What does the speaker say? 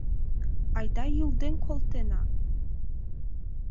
Айда йӱлден колтена!